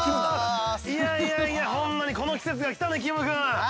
いやいやいや、ほんまにこの季節が来たで、きむ君。